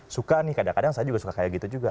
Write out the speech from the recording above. suka nih kadang kadang saya juga suka kayak gitu juga